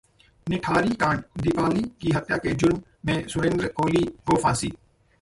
निठारी कांड: दीपाली की हत्या के जुर्म में सुरेंद्र कोली को फांसी